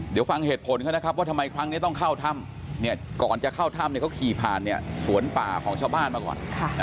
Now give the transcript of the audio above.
เดี๋ยวฟังเหตุผลเขานะครับว่าทำไมครั้งนี้ต้องเข้าถ้ำก่อนจะเข้าถ้ำเขาขี่ผ่านสวนป่าของชาวบ้านมาก่อน